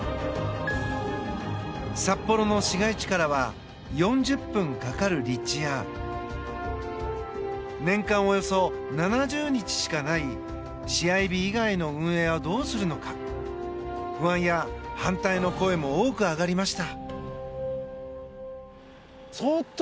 札幌の市街地からは４０分かかる立地や年間およそ７０日しかない試合日以外の運営はどうするのか不安や反対の声も多く上がりました。